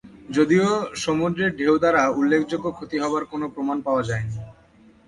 যদিও সমুদ্রের ঢেউ দ্বারা উল্লেখযোগ্য ক্ষতি হবার কোনো প্রমাণ পাওয়া যায়নি।